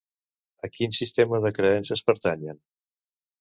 A quin sistema de creences pertanyen?